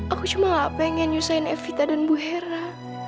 aku cuma gak pengen nyusahin evita dan bu hera